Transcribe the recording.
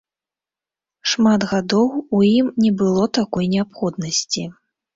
Шмат гадоў у ім не было такой неабходнасці.